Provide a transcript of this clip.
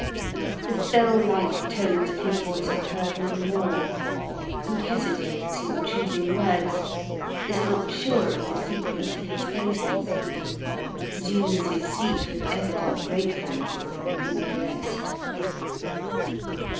The bell like tones of his voice are heard no more; he hesitates in choosing words, is not sure of the sequence of his phrases, and resumes his seat with evident gratefulness for the renewed rest.